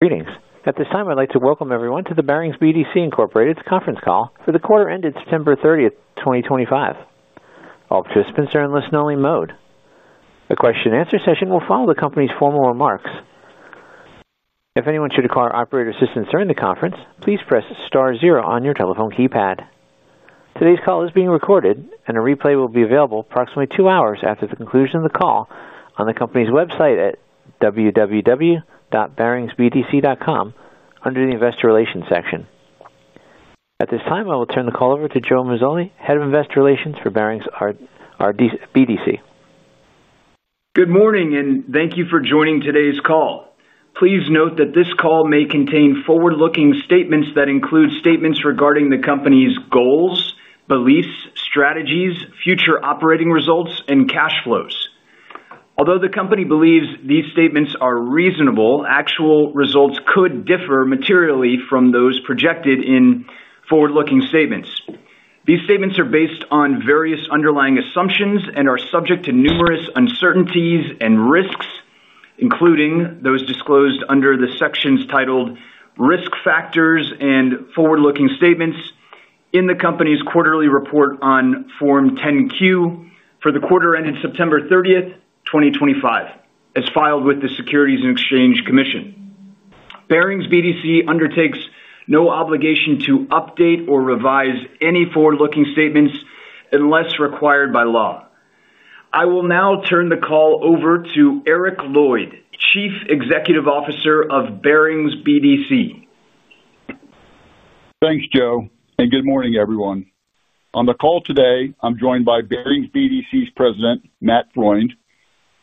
Greetings. At this time, I'd like to welcome everyone to the Barings BDC conference call for the quarter ended September 30th, 2025. All participants are in listen-only mode. The question-and-answer session will follow the company's formal remarks. If anyone should require operator assistance during the conference, please press star zero on your telephone keypad. Today's call is being recorded, and a replay will be available approximately two hours after the conclusion of the call on the company's website at www.baringsbdc.com under the Investor Relations section. At this time, I will turn the call over to Joe Mazzoli, Head of Investor Relations for Barings BDC. Good morning, and thank you for joining today's call. Please note that this call may contain forward-looking statements that include statements regarding the company's goals, beliefs, strategies, future operating results, and cash flows. Although the company believes these statements are reasonable, actual results could differ materially from those projected in forward-looking statements. These statements are based on various underlying assumptions and are subject to numerous uncertainties and risks, including those disclosed under the sections titled risk factors and forward-looking statements in the company's quarterly report on Form 10-Q for the quarter ended September 30th, 2025, as filed with the Securities and Exchange Commission. Barings BDC undertakes no obligation to update or revise any forward-looking statements unless required by law. I will now turn the call over to Eric Lloyd, Chief Executive Officer of Barings BDC. Thanks, Joe, and good morning, everyone. On the call today, I'm joined by Barings BDC's President, Matt Freund,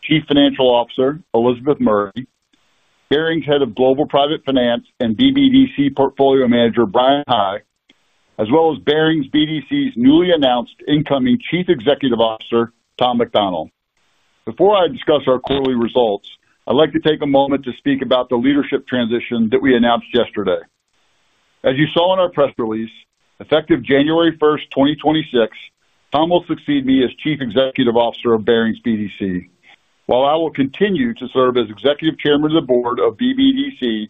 Chief Financial Officer, Elizabeth Murray, Barings Head of Global Private Finance and BBDC Portfolio Manager, Brian Hai, as well as Barings BDC's newly announced incoming Chief Executive Officer, Tom McDonald. Before I discuss our quarterly results, I'd like to take a moment to speak about the leadership transition that we announced yesterday. As you saw in our press release, effective January 1st, 2026, Tom will succeed me as Chief Executive Officer of Barings BDC, while I will continue to serve as Executive Chairman of the Board of BBDC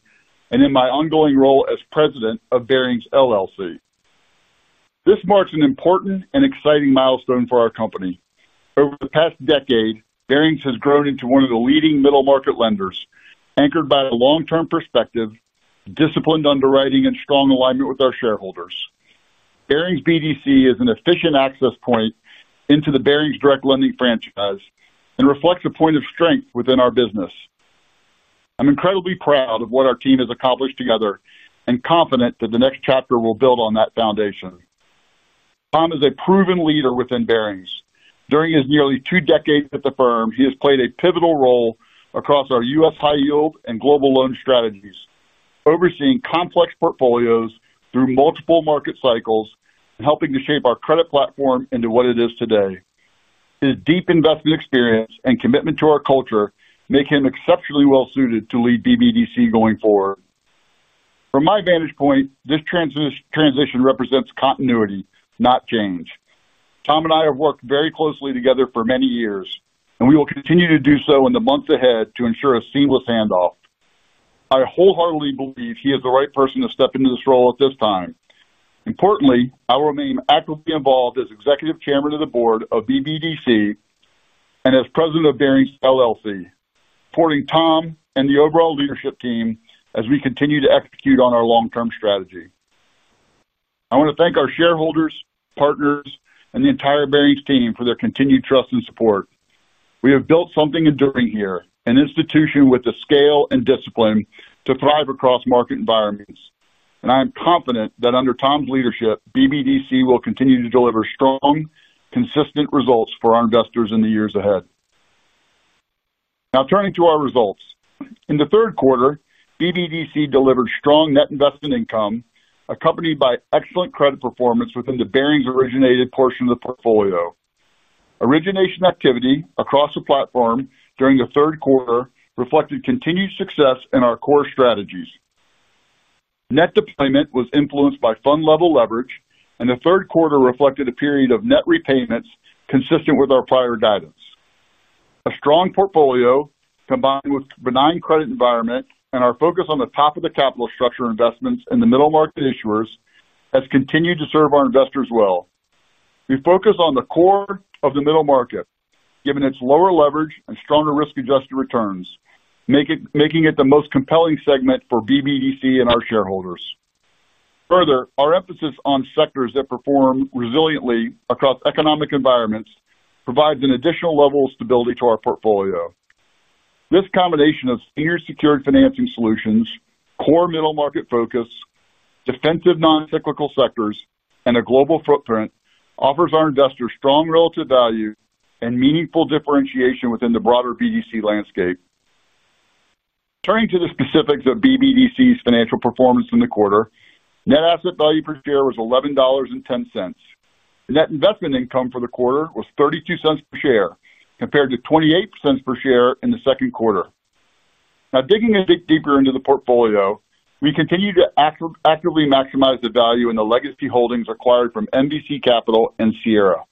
and in my ongoing role as President of Barings LLC. This marks an important and exciting milestone for our company. Over the past decade, Barings has grown into one of the leading middle-market lenders, anchored by a long-term perspective, disciplined underwriting, and strong alignment with our shareholders. Barings BDC is an efficient access point into the Barings direct lending franchise and reflects a point of strength within our business. I'm incredibly proud of what our team has accomplished together and confident that the next chapter will build on that foundation. Tom is a proven leader within Barings. During his nearly two decades at the firm, he has played a pivotal role across our U.S. high yield and global loan strategies, overseeing complex portfolios through multiple market cycles and helping to shape our credit platform into what it is today. His deep investment experience and commitment to our culture make him exceptionally well-suited to lead BBDC going forward. From my vantage point, this transition represents continuity, not change. Tom and I have worked very closely together for many years, and we will continue to do so in the months ahead to ensure a seamless handoff. I wholeheartedly believe he is the right person to step into this role at this time. Importantly, I will remain actively involved as Executive Chairman of the Board of BBDC and as President of Barings LLC, supporting Tom and the overall leadership team as we continue to execute on our long-term strategy. I want to thank our shareholders, partners, and the entire Barings team for their continued trust and support. We have built something enduring here, an institution with the scale and discipline to thrive across market environments, and I'm confident that under Tom's leadership, BBDC will continue to deliver strong, consistent results for our investors in the years ahead. Now, turning to our results. In the third quarter, BBDC delivered strong net investment income, accompanied by excellent credit performance within the Barings-originated portion of the portfolio. Origination activity across the platform during the third quarter reflected continued success in our core strategies. Net deployment was influenced by fund-level leverage, and the third quarter reflected a period of net repayments consistent with our prior guidance. A strong portfolio combined with a benign credit environment and our focus on the top of the capital structure investments in the middle-market issuers has continued to serve our investors well. We focus on the core of the middle market, given its lower leverage and stronger risk-adjusted returns, making it the most compelling segment for BBDC and our shareholders. Further, our emphasis on sectors that perform resiliently across economic environments provides an additional level of stability to our portfolio. This combination of senior secured financing solutions, core middle market focus, defensive noncyclical sectors, and a global footprint offers our investors strong relative value and meaningful differentiation within the broader BDC landscape. Turning to the specifics of BBDC's financial performance in the quarter, net asset value per share was $11.10. Net investment income for the quarter was $0.32 per share, compared to $0.28 per share in the second quarter. Now, digging a bit deeper into the portfolio, we continue to actively maximize the value in the legacy holdings acquired from MVC Capital and Sierra.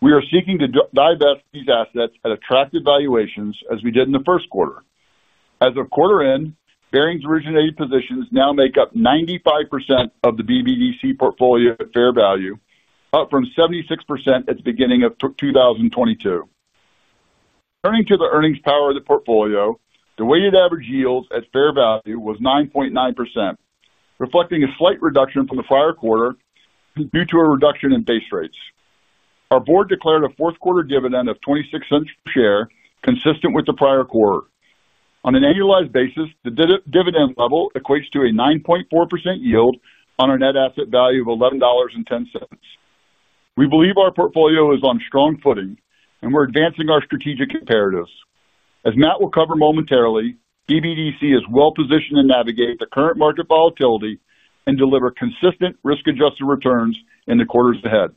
We are seeking to divest these assets at attractive valuations as we did in the first quarter. As of quarter end, Barings-originated positions now make up 95% of the BBDC portfolio at fair value, up from 76% at the beginning of 2022. Turning to the earnings power of the portfolio, the weighted average yield at fair value was 9.9%, reflecting a slight reduction from the prior quarter due to a reduction in base rates. Our board declared a fourth-quarter dividend of $0.26 per share, consistent with the prior quarter. On an annualized basis, the dividend level equates to a 9.4% yield on our net asset value of $11.10. We believe our portfolio is on strong footing, and we're advancing our strategic imperatives. As Matt will cover momentarily, BBDC is well-positioned to navigate the current market volatility and deliver consistent risk-adjusted returns in the quarters ahead.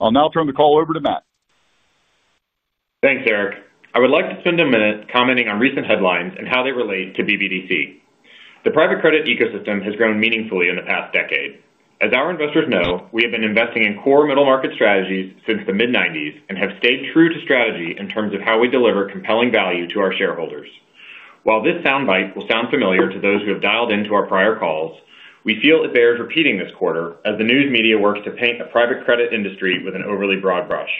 I'll now turn the call over to Matt. Thanks, Eric. I would like to spend a minute commenting on recent headlines and how they relate to BBDC. The private credit ecosystem has grown meaningfully in the past decade. As our investors know, we have been investing in core middle-market strategies since the mid-1990s and have stayed true to strategy in terms of how we deliver compelling value to our shareholders. While this sound bite will sound familiar to those who have dialed into our prior calls, we feel it bears repeating this quarter as the news media works to paint a private credit industry with an overly broad brush.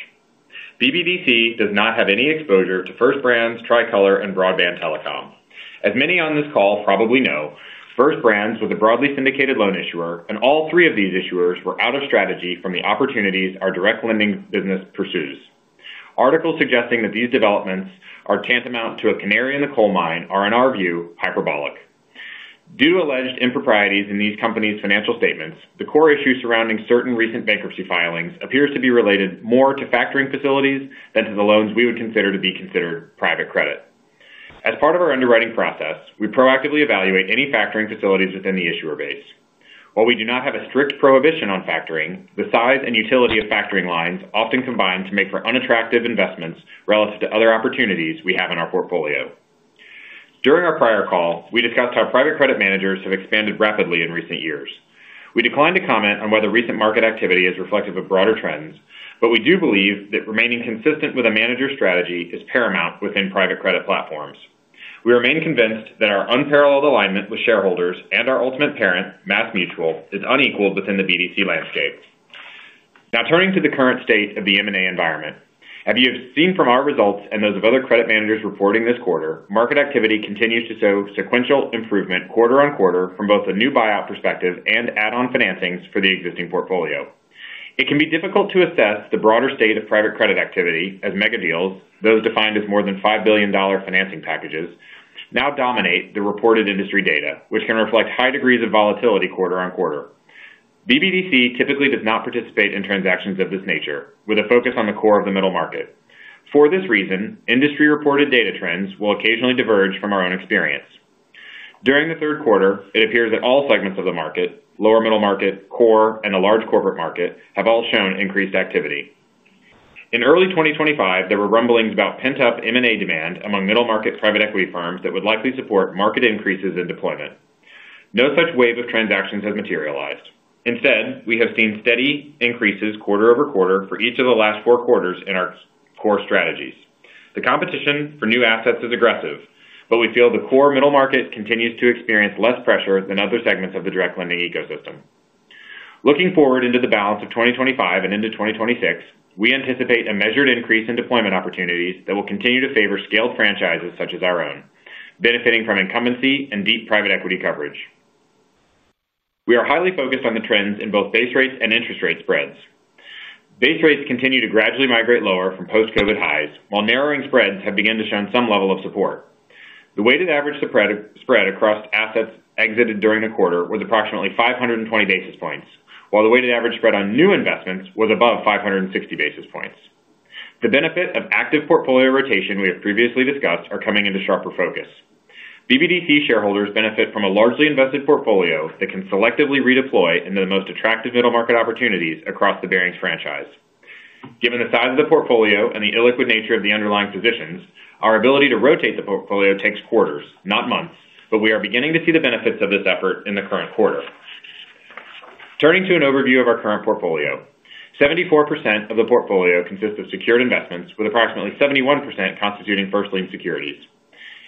BBDC does not have any exposure to First Brands, Tricolor, and Broadband Telecom. As many on this call probably know, First Brands was a broadly syndicated loan issuer, and all three of these issuers were out of strategy from the opportunities our direct lending business pursues. Articles suggesting that these developments are tantamount to a canary in the coal mine are, in our view, hyperbolic. Due to alleged improprieties in these companies' financial statements, the core issue surrounding certain recent bankruptcy filings appears to be related more to factoring facilities than to the loans we would consider to be considered private credit. As part of our underwriting process, we proactively evaluate any factoring facilities within the issuer base. While we do not have a strict prohibition on factoring, the size and utility of factoring lines often combine to make for unattractive investments relative to other opportunities we have in our portfolio. During our prior call, we discussed how private credit managers have expanded rapidly in recent years. We declined to comment on whether recent market activity is reflective of broader trends, but we do believe that remaining consistent with a manager strategy is paramount within private credit platforms. We remain convinced that our unparalleled alignment with shareholders and our ultimate parent, MassMutual, is unequaled within the BDC landscape. Now, turning to the current state of the M&A environment, as you have seen from our results and those of other credit managers reporting this quarter, market activity continues to show sequential improvement quarter on quarter from both a new buyout perspective and add-on financings for the existing portfolio. It can be difficult to assess the broader state of private credit activity as mega deals, those defined as more than $5 billion financing packages, now dominate the reported industry data, which can reflect high degrees of volatility quarter on quarter. BBDC typically does not participate in transactions of this nature, with a focus on the core of the middle market. For this reason, industry-reported data trends will occasionally diverge from our own experience. During the third quarter, it appears that all segments of the market, lower middle market, core, and the large corporate market, have all shown increased activity. In early 2025, there were rumblings about pent-up M&A demand among middle-market private equity firms that would likely support market increases in deployment. No such wave of transactions has materialized. Instead, we have seen steady increases quarter-over-quarter for each of the last four quarters in our core strategies. The competition for new assets is aggressive, but we feel the core middle market continues to experience less pressure than other segments of the direct lending ecosystem. Looking forward into the balance of 2025 and into 2026, we anticipate a measured increase in deployment opportunities that will continue to favor scaled franchises such as our own, benefiting from incumbency and deep private equity coverage. We are highly focused on the trends in both base rates and interest rate spreads. Base rates continue to gradually migrate lower from post-COVID highs, while narrowing spreads have begun to show some level of support. The weighted average spread across assets exited during the quarter was approximately 520 basis points, while the weighted average spread on new investments was above 560 basis points. The benefit of active portfolio rotation we have previously discussed is coming into sharper focus. BBDC shareholders benefit from a largely invested portfolio that can selectively redeploy into the most attractive middle-market opportunities across the Barings franchise. Given the size of the portfolio and the illiquid nature of the underlying positions, our ability to rotate the portfolio takes quarters, not months, but we are beginning to see the benefits of this effort in the current quarter. Turning to an overview of our current portfolio, 74% of the portfolio consists of secured investments, with approximately 71% constituting first-lien securities.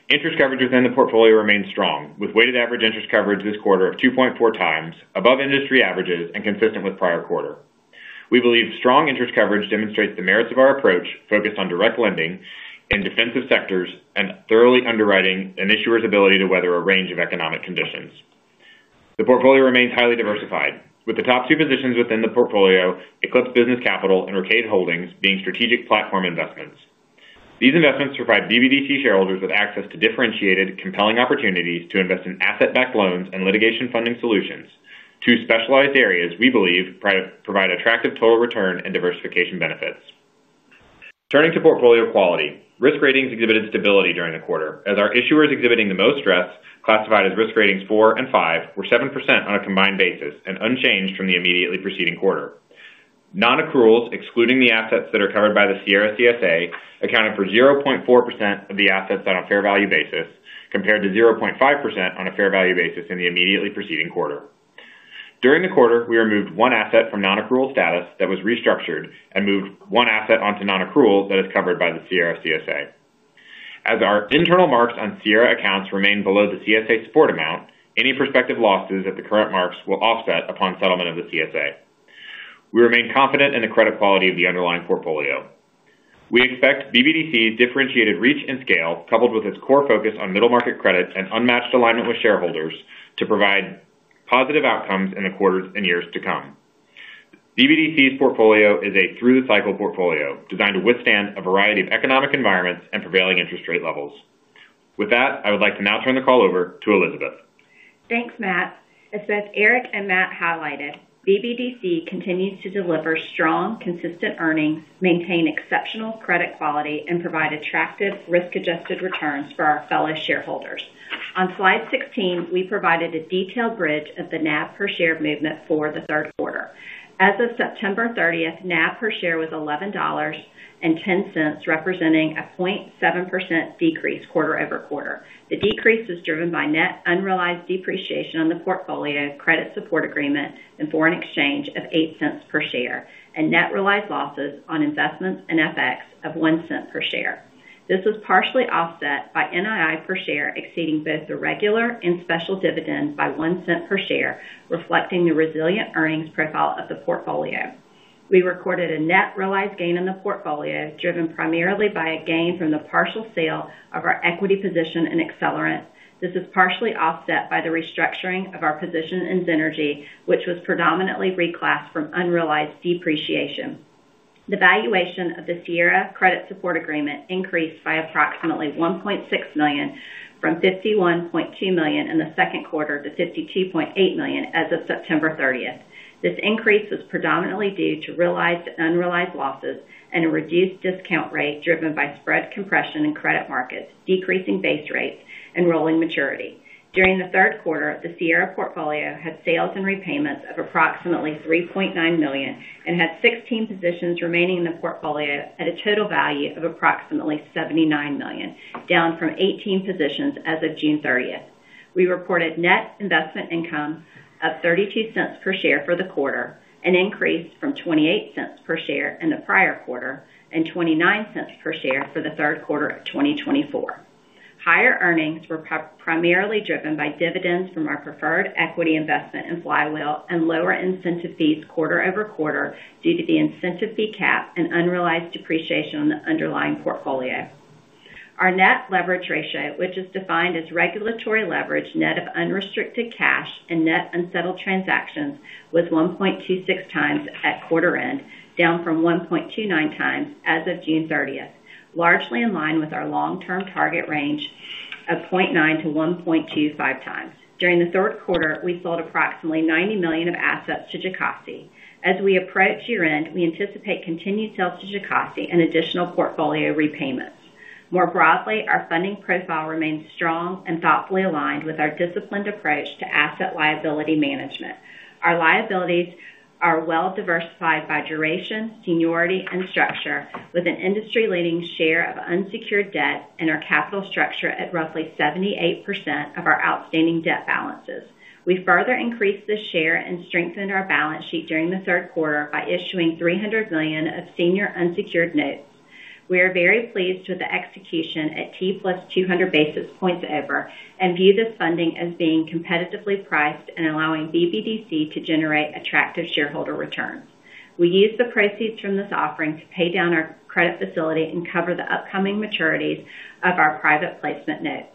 Interest coverage within the portfolio remains strong, with weighted average interest coverage this quarter of 2.4x, above industry averages and consistent with prior quarter. We believe strong interest coverage demonstrates the merits of our approach focused on direct lending in defensive sectors and thoroughly underwriting an issuer's ability to weather a range of economic conditions. The portfolio remains highly diversified, with the top two positions within the portfolio, Eclipse Business Capital and Raked Holdings, being strategic platform investments. These investments provide BBDC shareholders with access to differentiated, compelling opportunities to invest in asset-backed loans and litigation funding solutions, two specialized areas we believe provide attractive total return and diversification benefits. Turning to portfolio quality, risk ratings exhibited stability during the quarter, as our issuers exhibiting the most stress, classified as risk ratings 4% and 5%, were 7% on a combined basis and unchanged from the immediately preceding quarter. Non-accruals, excluding the assets that are covered by the Sierra CSA, accounted for 0.4% of the assets on a fair value basis, compared to 0.5% on a fair value basis in the immediately preceding quarter. During the quarter, we removed one asset from non-accrual status that was restructured and moved one asset onto non-accrual that is covered by the Sierra CSA. As our internal marks on Sierra accounts remain below the CSA support amount, any prospective losses at the current marks will offset upon settlement of the CSA. We remain confident in the credit quality of the underlying portfolio. We expect BBDC's differentiated reach and scale, coupled with its core focus on middle-market credit and unmatched alignment with shareholders, to provide positive outcomes in the quarters and years to come. BBDC's portfolio is a through-the-cycle portfolio designed to withstand a variety of economic environments and prevailing interest rate levels. With that, I would like to now turn the call over to Elizabeth. Thanks, Matt. As both Eric and Matt highlighted, BBDC continues to deliver strong, consistent earnings, maintain exceptional credit quality, and provide attractive risk-adjusted returns for our fellow shareholders. On slide 16, we provided a detailed bridge of the NAV per share movement for the third quarter. As of September 30th, NAV per share was $11.10, representing a 0.7% decrease quarter-over-quarter. The decrease was driven by net unrealized depreciation on the portfolio credit support agreement and foreign exchange of $0.08 per share, and net realized losses on investments in FX of $0.01 per share. This was partially offset by NII per share exceeding both the regular and special dividend by $0.01 per share, reflecting the resilient earnings profile of the portfolio. We recorded a net realized gain in the portfolio driven primarily by a gain from the partial sale of our equity position in Accelerant. This is partially offset by the restructuring of our position in Zenergy, which was predominantly reclassed from unrealized depreciation. The valuation of the Sierra credit support agreement increased by approximately $1.6 million from $51.2 million in the second quarter to $52.8 million as of September 30th. This increase was predominantly due to realized and unrealized losses and a reduced discount rate driven by spread compression in credit markets, decreasing base rates and rolling maturity. During the third quarter, the Sierra portfolio had sales and repayments of approximately $3.9 million and had 16 positions remaining in the portfolio at a total value of approximately $79 million, down from 18 positions as of June 30th. We reported net investment income of $0.32 per share for the quarter, an increase from $0.28 per share in the prior quarter and $0.29 per share for the third quarter of 2024. Higher earnings were primarily driven by dividends from our preferred equity investment in Flywheel and lower incentive fees quarter-over-quarter due to the incentive fee cap and unrealized depreciation on the underlying portfolio. Our net leverage ratio, which is defined as regulatory leverage net of unrestricted cash and net unsettled transactions, was 1.26x at quarter end, down from 1.29x as of June 30th, largely in line with our long-term target range of 0.9x-1.25x. During the third quarter, we sold approximately $90 million of assets to Jacassi. As we approach year-end, we anticipate continued sales to Jacassi and additional portfolio repayments. More broadly, our funding profile remains strong and thoughtfully aligned with our disciplined approach to asset liability management. Our liabilities are well-diversified by duration, seniority, and structure, with an industry-leading share of unsecured debt in our capital structure at roughly 78% of our outstanding debt balances. We further increased this share and strengthened our balance sheet during the third quarter by issuing $300 million of senior unsecured notes. We are very pleased with the execution at T+200 basis points over and view this funding as being competitively priced and allowing BBDC to generate attractive shareholder returns. We used the proceeds from this offering to pay down our credit facility and cover the upcoming maturities of our private placement notes,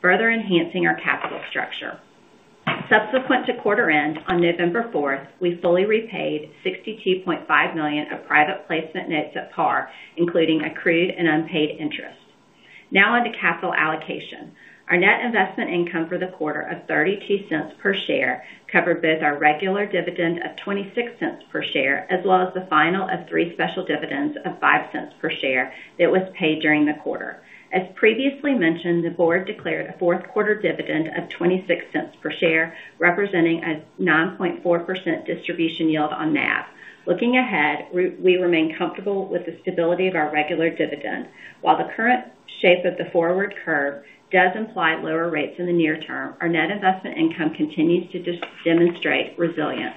further enhancing our capital structure. Subsequent to quarter end, on November 4th, we fully repaid $62.5 million of private placement notes at par, including accrued and unpaid interest. Now on to capital allocation. Our net investment income for the quarter of $0.32 per share covered both our regular dividend of $0.26 per share as well as the final of three special dividends of $0.05 per share that was paid during the quarter. As previously mentioned, the board declared a fourth quarter dividend of $0.26 per share, representing a 9.4% distribution yield on NAV. Looking ahead, we remain comfortable with the stability of our regular dividend. While the current shape of the forward curve does imply lower rates in the near term, our net investment income continues to demonstrate resilience.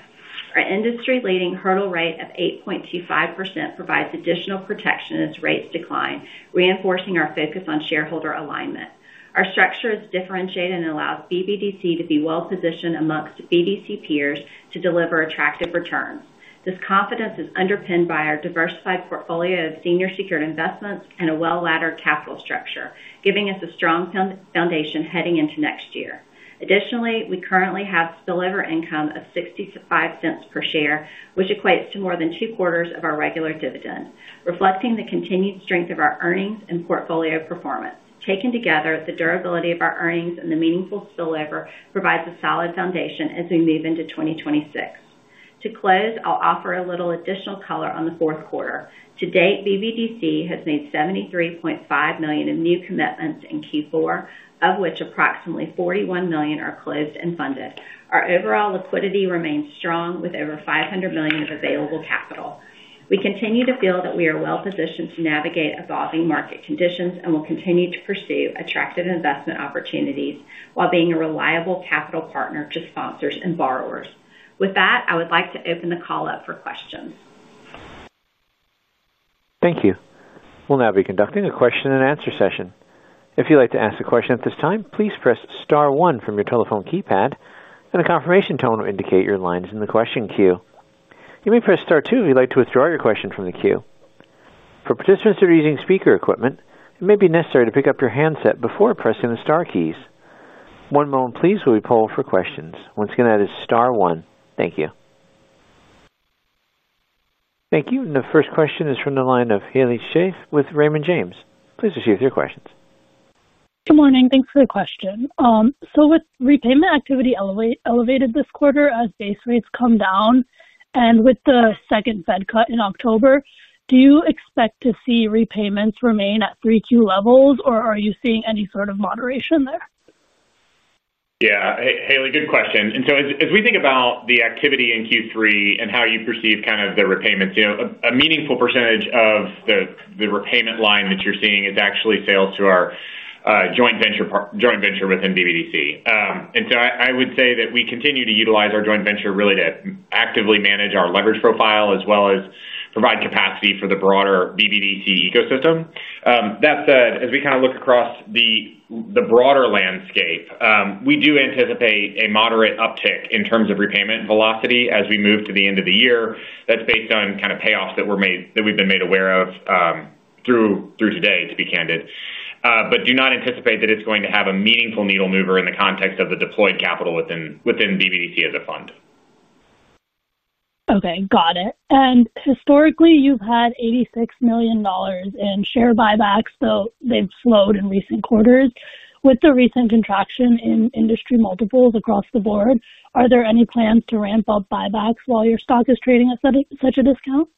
Our industry-leading hurdle rate of 8.25% provides additional protection as rates decline, reinforcing our focus on shareholder alignment. Our structure is differentiated and allows BBDC to be well-positioned amongst BDC peers to deliver attractive returns. This confidence is underpinned by our diversified portfolio of senior secured investments and a well-laddered capital structure, giving us a strong foundation heading into next year. Additionally, we currently have spillover income of $0.65 per share, which equates to more than two quarters of our regular dividend, reflecting the continued strength of our earnings and portfolio performance. Taken together, the durability of our earnings and the meaningful spillover provides a solid foundation as we move into 2026. To close, I'll offer a little additional color on the fourth quarter. To date, BBDC has made $73.5 million of new commitments in Q4, of which approximately $41 million are closed and funded. Our overall liquidity remains strong, with over $500 million of available capital. We continue to feel that we are well-positioned to navigate evolving market conditions and will continue to pursue attractive investment opportunities while being a reliable capital partner to sponsors and borrowers. With that, I would like to open the call up for questions. Thank you. We'll now be conducting a question-and-answer session. If you'd like to ask a question at this time, please press star one from your telephone keypad, and a confirmation tone will indicate your line is in the question queue. You may press Star 2 if you'd like to withdraw your question from the queue. For participants that are using speaker equipment, it may be necessary to pick up your handset before pressing the Star keys. One moment, please, while we poll for questions. Once again, that is star one. Thank you. Thank you. The first question is from the line of Heli Sheth with Raymond James. Please proceed with your questions. Good morning. Thanks for the question. With repayment activity elevated this quarter as base rates come down and with the second Fed cut in October, do you expect to see repayments remain at 3Q levels, or are you seeing any sort of moderation there? Yeah. Heli, good question. As we think about the activity in Q3 and how you perceive kind of the repayments, a meaningful percentage of the repayment line that you're seeing is actually sales to our joint venture within BBDC. I would say that we continue to utilize our joint venture really to actively manage our leverage profile as well as provide capacity for the broader BBDC ecosystem. That said, as we kind of look across the broader landscape, we do anticipate a moderate uptick in terms of repayment velocity as we move to the end of the year. That is based on kind of payoffs that we've been made aware of through today, to be candid. We do not anticipate that it's going to have a meaningful needle mover in the context of the deployed capital within BBDC as a fund. Okay. Got it. Historically, you've had $86 million in share buybacks, though they've slowed in recent quarters. With the recent contraction in industry multiples across the board, are there any plans to ramp up buybacks while your stock is trading at such a discount?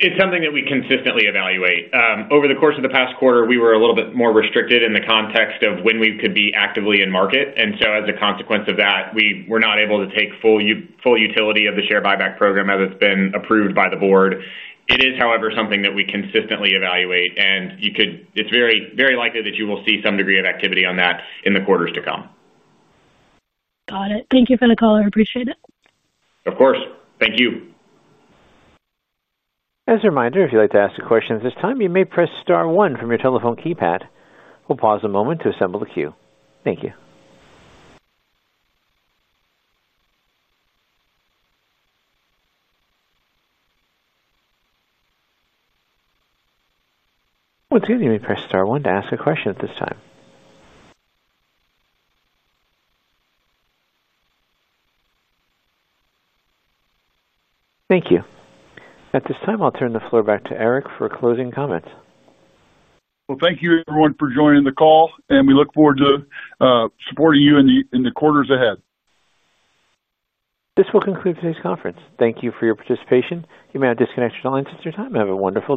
It's something that we consistently evaluate. Over the course of the past quarter, we were a little bit more restricted in the context of when we could be actively in market. As a consequence of that, we were not able to take full utility of the share buyback program as it's been approved by the board. It is, however, something that we consistently evaluate, and it's very likely that you will see some degree of activity on that in the quarters to come. Got it. Thank you for the call. I appreciate it. Of course. Thank you. As a reminder, if you'd like to ask a question at this time, you may press star one from your telephone keypad. We'll pause a moment to assemble the queue. Thank you. Once again, you may press star one to ask a question at this time. Thank you. At this time, I'll turn the floor back to Eric for closing comments. Thank you, everyone, for joining the call, and we look forward to supporting you in the quarters ahead. This will conclude today's conference. Thank you for your participation. You may now disconnect at this time. Have a wonderful day.